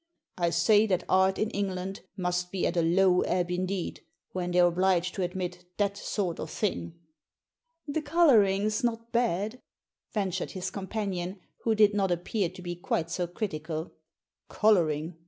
I say that art in England must be at a low ebb indeed when they're obliged to admit that sort of thing." " The colouring's not bad," ventured his companion, who did not appear to be quite so critical "Colouring!